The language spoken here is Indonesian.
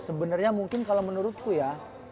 sebenarnya mungkin kalau menurutku ya